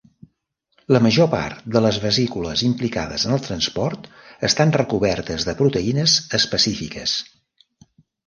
La major part de les vesícules implicades en el transport estan recobertes de proteïnes específiques.